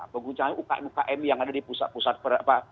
penguncangan ukm ukm yang ada di pusat pusat per apa